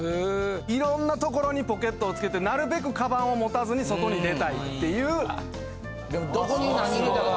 色んなところにポケットをつけてなるべく鞄を持たずに外に出たいっていう。